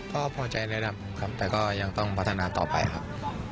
ก็พอใจแล้วครับแต่ก็ยังต้องพัฒนาต่อไปครับ